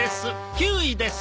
９位です。